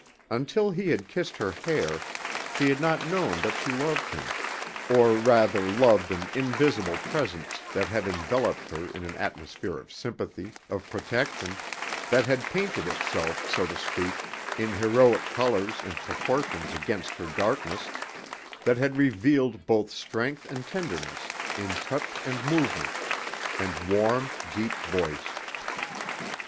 Until he had kissed her hair, she had not known that she loved him or rather loved an invisible presence that had enveloped her in an atmosphere of sympathy, of protection, that had painted itself, so to speak, in heroic colors and proportions against her darkness, that had revealed both strength and tenderness in touch and movement, and warm, deep voice.